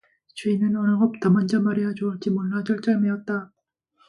주인은 어느 것부터 먼저 말해야 좋을지 몰라 쩔쩔매었다.